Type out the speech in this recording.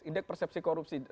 indeks persepsi korupsi